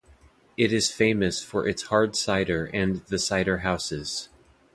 It is famous for its hard cider and the cider houses.